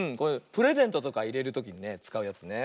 プレゼントとかいれるときにねつかうやつね